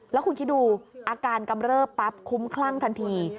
แล้วคุณคิดดูอาการกำเริบปั๊บคุ้มคลั่งทันที